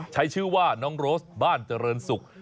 ใช้ชื่อว่าน้องโรสบ้านเจริญศุกร์